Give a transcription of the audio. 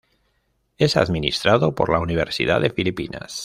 Es administrado por la Universidad de Filipinas.